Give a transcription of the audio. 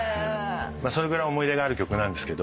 それぐらい思い入れがある曲なんですけど。